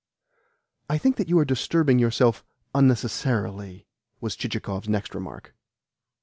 "I think that you are disturbing yourself unnecessarily," was Chichikov's next remark.